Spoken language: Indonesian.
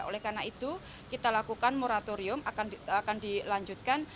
oleh karena itu kita lakukan moratorium akan dilanjutkan